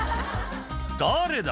「誰だ？